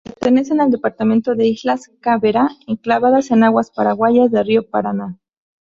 Pertenecen al departamento las islas Caá Verá, enclavadas en aguas paraguayas del río Paraná.